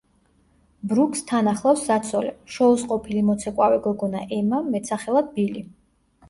ბრუკს თან ახლავს საცოლე, შოუს ყოფილი მოცეკვავე გოგონა ემა, მეტსახელად ბილი.